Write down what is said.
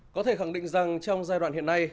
có thể khẳng định rằng trong giai đoạn hiện nay